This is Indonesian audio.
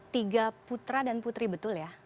tiga putra dan putri betul ya